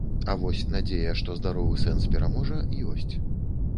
А вось надзея, што здаровы сэнс пераможа, ёсць.